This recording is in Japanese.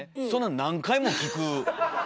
そんな何回も聞く。